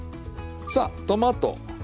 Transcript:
さあトマト。